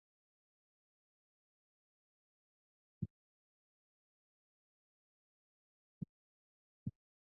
En Valencia y Tarragona tuvieron culto Serapis e Isis divinidades de origen egipcio.